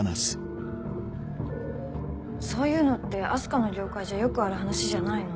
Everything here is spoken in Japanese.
そういうのって明日香の業界じゃよくある話じゃないの？